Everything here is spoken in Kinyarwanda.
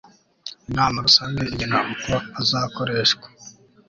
inama rusange igena uko azakoreshwa